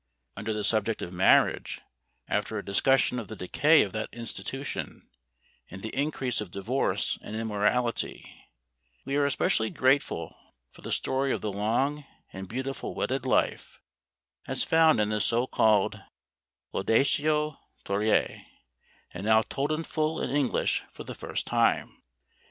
Under the subject of marriage, after a discussion of the decay of that institution and the increase of divorce and immorality, we are especially grateful for the story of the long and beautiful wedded life, as found in the so called "Laudatio Turiæ," and now told in full in English for the first time (pp.